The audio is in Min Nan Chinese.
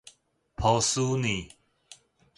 波士尼